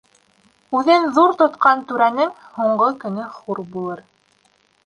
Үҙен ҙур тотҡан түрәнең һуңғы көнө хур булыр.